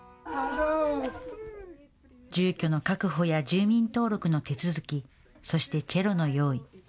住居の確保や住民登録の手続き、そしてチェロの用意。